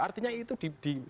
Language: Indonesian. artinya itu di